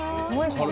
これ。